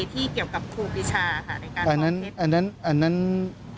ที่เกี่ยวกับครูพิชาค่ะในการพอเท็จ